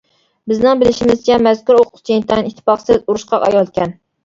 بىزنىڭ بىلىشىمىزچە مەزكۇر ئوقۇتقۇچى ئىنتايىن ئىتتىپاقسىز، ئۇرۇشقاق ئايالكەن.